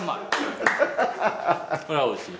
これは美味しい。